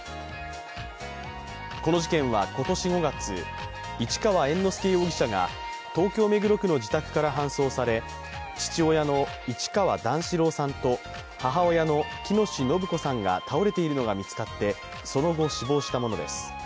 この事件は今年５月、市川猿之助容疑者が東京・目黒区の自宅から搬送され、父親の市川段四郎さんと母親の喜熨斗延子さんが倒れているのが見つかって、その後、死亡したものです。